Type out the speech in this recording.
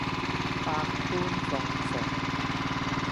百般奉承